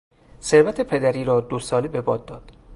ثروت پدری را دو ساله به باد داد.